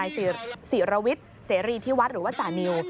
ศิรวิทย์เสรีที่วัดหรือว่าจานิว